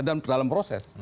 itu diperiksa dalam proses